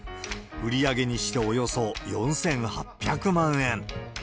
売り上げにしておよそ４８００万円。